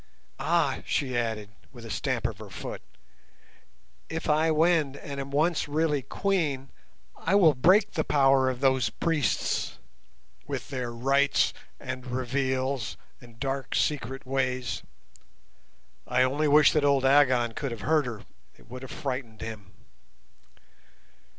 "Ah!" she added, with a stamp of her foot, "if I win and am once really Queen, I will break the power of those priests, with their rites and revels and dark secret ways." I only wished that old Agon could have heard her, it would have frightened him.